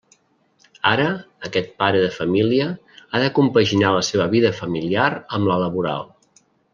Ara aquest pare de família ha de compaginar la seva vida familiar amb la laboral.